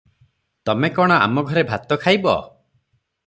ତମେ କଣ ଆମଘରେ ଭାତ ଖାଇବ?